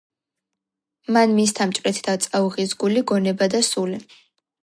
მან მისთა მჭვრეტთა წაუღის გული, გონება და სული